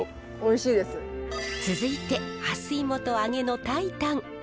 続いてハスイモと揚げの炊いたん。